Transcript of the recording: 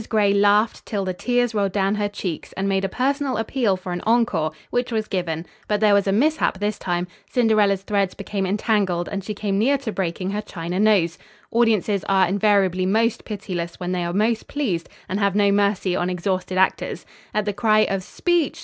Gray laughed till the tears rolled down her cheeks and made a personal appeal for an encore, which was given; but there was a mishap this time; Cinderella's threads became entangled and she came near to breaking her china nose. Audiences are invariably most pitiless when they are most pleased, and have no mercy on exhausted actors. At the cry of "Speech!